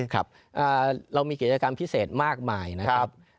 ครับเรามีกิจกรรมพิเศษมากมายนะครับ